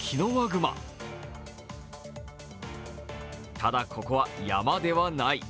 ただ、ここは山ではない。